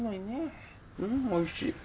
うーんおいしい。